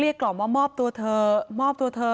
กล่อมว่ามอบตัวเธอมอบตัวเธอ